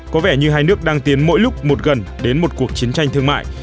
có vẻ như hai nước đang tiến mỗi lúc một gần đến một cuộc chiến tranh thương mại